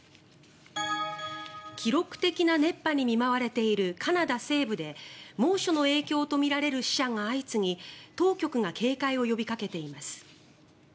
記録的な熱波に見舞われているカナダ西部で猛暑の影響とみられる死者が相次ぎ当局が警戒を呼びかけています。